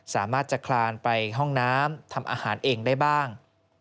สามารถจะคลานไปห้องน้ำทำอาหารเองได้บ้าง